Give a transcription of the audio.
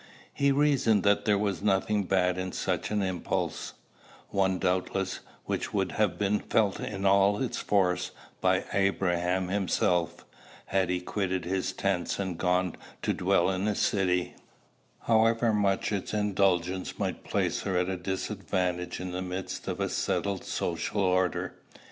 He reasoned that there was nothing bad in such an impulse, one doubtless, which would have been felt in all its force by Abraham himself, had he quitted his tents and gone to dwell in a city, however much its indulgence might place her at a disadvantage in the midst of a settled social order.